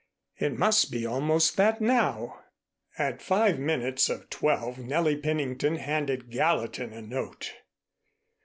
It must be almost that now. At five minutes of twelve Nellie Pennington handed Gallatin a note.